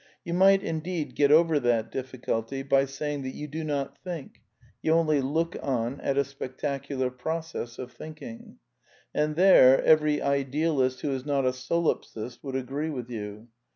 You might, indeed, get over that diflSculty by saying that you do not think, you only look on at a spectacular process of thinking; and there every idealist who is not a solipsist would agree with you.